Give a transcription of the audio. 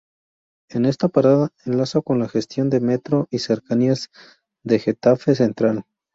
En esta parada enlaza con la estación de metro y cercanías de Getafe Central.